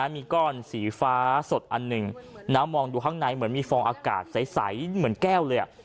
มีก้อนสีฟ้าสดอันหนึ่งมองดูข้างในเหมือนมีฟองอากาศใสเหมือนแก้วเลย